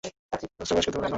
গাছটার বয়স কত বলে মনে হয়?